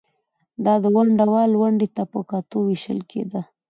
دا د ونډه وال ونډې ته په کتو وېشل کېده